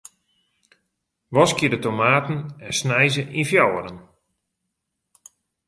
Waskje de tomaten en snij se yn fjouweren.